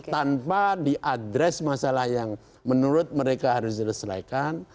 tanpa diadres masalah yang menurut mereka harus diselesaikan